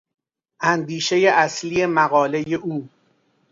اندیشهی اصلی مقالهی او